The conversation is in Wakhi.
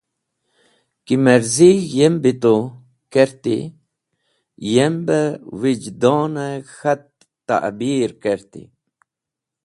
Ki merzig̃h yem bito kertey, yem beh wijdon-e k̃hat ta’bir kerti.